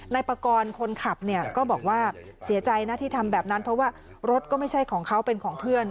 นายปากรคนขับเนี่ยก็บอกว่าเสียใจนะที่ทำแบบนั้นเพราะว่ารถก็ไม่ใช่ของเขาเป็นของเพื่อน